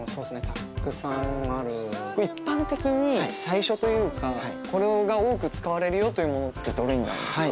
たくさんあるこれ一般的に最初というかこれが多く使われるよというものってどれになるんですか？